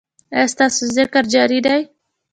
ایا ستاسو ذکر جاری دی؟